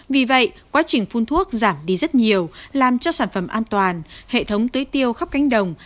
vì vậy quá trình phun thuốc giảm đi rất nhiều làm cho sản phẩm an toàn hệ thống tưới tiêu khắp cánh đồng